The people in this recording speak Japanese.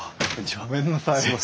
ごめんなさい。